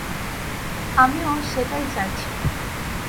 আমিও সেটাই চাইছি।